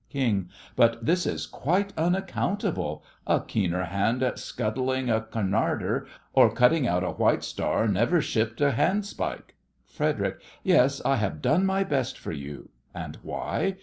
KING: But this is quite unaccountable; a keener hand at scuttling a Cunarder or cutting out a White Star never shipped a handspike. FREDERIC: Yes, I have done my best for you. And why?